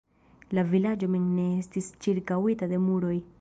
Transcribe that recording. La vilaĝo mem ne estis ĉirkaŭita de muroj.